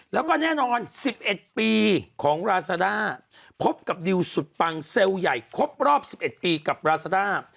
แล้วก็แน่นอน๑๑ปีของราซาด้าพบกับดิวสุดปังเซลล์ใหญ่ครบรอบ๑๑ปีกับราซาด้า